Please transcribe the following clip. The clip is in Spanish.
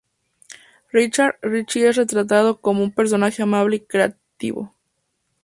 Richard "Richie es retratado como un personaje amable y caritativo.